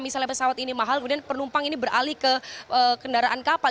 misalnya pesawat ini mahal kemudian penumpang ini beralih ke kendaraan kapal